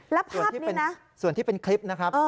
และภาพนี้นะส่วนที่เป็นคลิปนะครับ